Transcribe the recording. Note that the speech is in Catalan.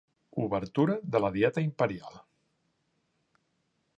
Obertura de la dieta imperial.